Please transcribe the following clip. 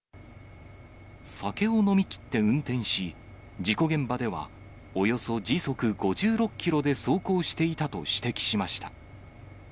酒を飲みきって運転し、事故現場では、およそ時速５６キロで走行していたと指摘しました。